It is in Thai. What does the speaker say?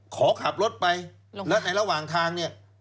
ขอขับรถไปและในระหว่างทางเนี่ย